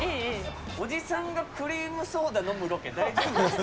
おじさんがクリームソーダ飲むロケ大丈夫ですか？